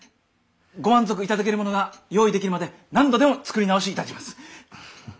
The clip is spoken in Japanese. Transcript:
ご満足いただけるものが用意できるまで何度でも作り直しいたします。